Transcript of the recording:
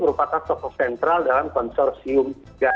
merupakan sosok sentral dalam konsorsium